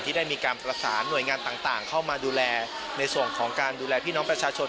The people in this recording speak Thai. ได้มีการประสานหน่วยงานต่างเข้ามาดูแลในส่วนของการดูแลพี่น้องประชาชน